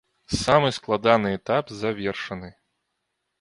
Самы складаны этап завершаны.